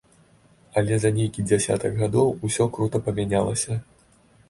Але за нейкі дзясятак гадоў усё крута памянялася.